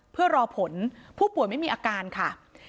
เพื่อรอผลผู้ป่วยไม่มีอาการค่ะ